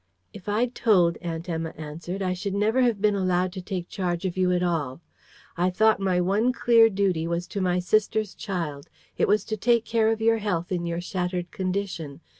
"If I'd told," Aunt Emma answered, "I should never have been allowed to take charge of you at all. I thought my one clear duty was to my sister's child: it was to take care of your health in your shattered condition.